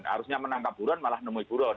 harusnya menangkap burun malah menemui burun